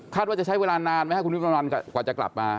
ว่าจะใช้เวลานานไหมครับคุณวิทย์ประมาณกว่าจะกลับมา